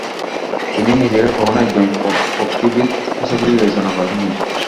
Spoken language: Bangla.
তিনি নিজেকে কখনই একজন পক্ষীবিদ হিসেবে বিবেচনা করেননি।